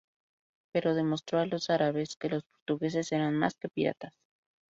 Pero demostró a los árabes que los portugueses eran más que piratas.